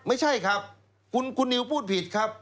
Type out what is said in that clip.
ไม่ใช่ครับคุณนิวพูดผิดครับ